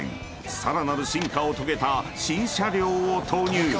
［さらなる進化を遂げた新車両を投入］